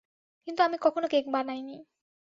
কিন্তু আমি কখনো কেক বানাইনি।